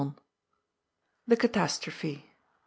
THE CATASTBOPHB.